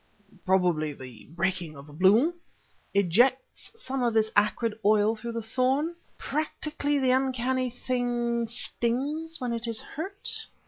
"Probably the breaking of a bloom ..." "Ejects some of this acrid oil through the thorn? Practically the uncanny thing stings when it is hurt?